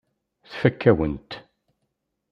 Tfakk-awen-t.